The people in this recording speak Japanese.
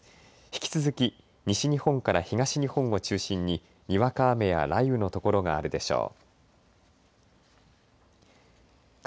引き続き西日本から東日本を中心ににわか雨や雷雨の所があるでしょう。